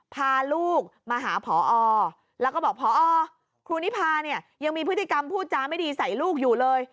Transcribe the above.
พาลูกมาหาพอแล้วก็บอกพอครูนิพาเนี่ยยังมีพฤติกรรมพูดจาไม่ดีใส่ลูกอยู่เลย